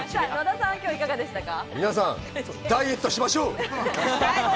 皆さん、ダイエットしましょう。